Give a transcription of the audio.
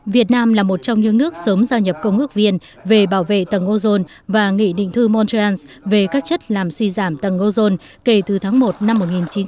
việt nam là một trong những nước sớm giao nhập công ước viên về bảo vệ tầng ozone và nghị định thư montreal về các chất làm suy giảm tầng ozone kể từ tháng một năm một nghìn chín trăm bảy mươi